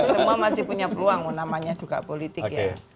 semua masih punya peluang namanya juga politik ya